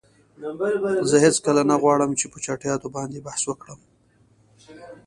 زه هیڅکله نه غواړم چې په چټییاتو باندی بحث وکړم.